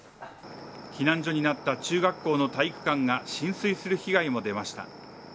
避難情報になった中学校の体育館が浸水する被害も出ました。